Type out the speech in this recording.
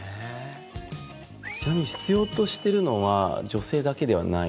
ちなみに必要としてるのは女性だけではないんですかね？